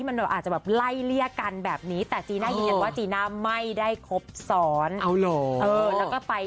ไม่ไม่